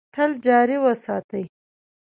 تل جاري وساتي .